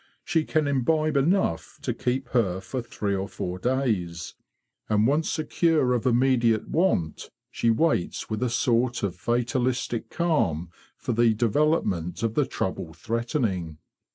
She can imbibe enough to keep her for three or four days; and once secure of immediate want, she waits with a sort of fatalistic calm for the development of the trouble threatening."